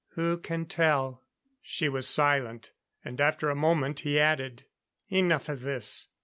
Who can tell?" She was silent; and after a moment, he added: "Enough of this.